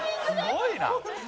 すごいな！